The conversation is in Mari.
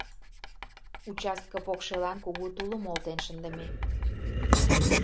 Участке покшелан кугу тулым олтен шындыме.